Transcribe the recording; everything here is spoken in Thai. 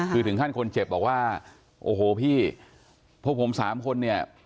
คือถึงขั้นคนเจ็บบอกว่าโอ้โหพี่พวกผมสามคนเนี่ย